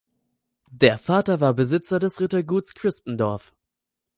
Der Vater war Besitzer des Ritterguts Crispendorf.